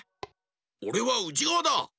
おれはうちがわだ！